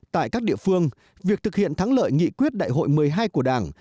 tại các địa phương việc thực hiện thắng lợi nghị quyết đại hội một mươi hai của đảng